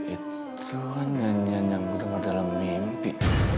itu kan nyanyian yang gue dengar dalam mimpi